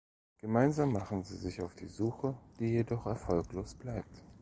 Gemeinsam machen sie sich auf die Suche, die jedoch erfolglos bleibt.